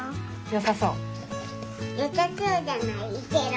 よさそう？